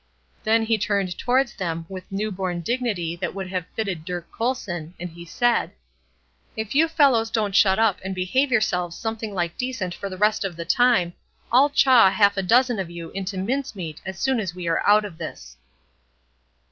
Then he turned towards them with new born dignity that would have fitted Dirk Colson, and said: "If you fellows don't shut up, and behave yourselves something like decent for the rest of the time, I'll chaw half a dozen of you into mincemeat as soon as we are out of this!"